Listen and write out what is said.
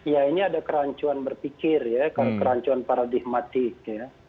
ya ini ada kerancuan berpikir ya kerancuan paradigmatik ya